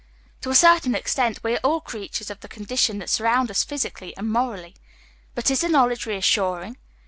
To a certain extent, we are all creatures of the conditions that surround us, physically and morally. But is the knowl edge reassuring?